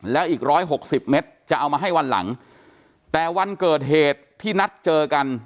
แล้วอีกร้อยหกสิบเมตรจะเอามาให้วันหลังแต่วันเกิดเหตุที่นัดเจอกัน